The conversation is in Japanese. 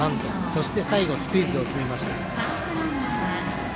そして最後スクイズを決めました。